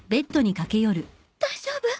大丈夫！？